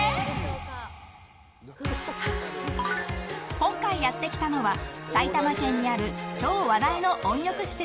今回、やってきたのは埼玉県にある超話題の温浴施設